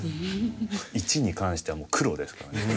「一」に関してはもう黒ですからね。